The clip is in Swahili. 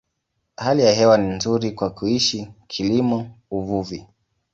Hali ya hewa ni nzuri kwa kuishi, kilimo, uvuvi.